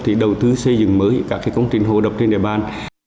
thì đầu tư xây dựng mới các cái công trình hồ đập trên nhà bán